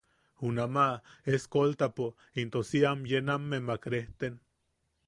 Junamaʼa eskoltapo into si am am yename nemak rejten.